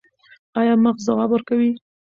ایا مغز ځواب ورکوي؟